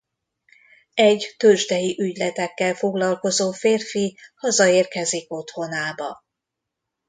Egy tőzsdei ügyletekkel foglalkozó férfi hazaérkezik otthonába.